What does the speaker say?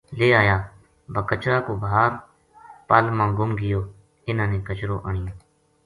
لے آیا با کچرا کو بھار پل ما گُم گیو اِنھا ں نے کچر و آنیو